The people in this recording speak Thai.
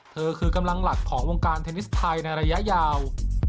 เธอคือกำลังหลักของวงการเทนนิสไทยในระยะยาว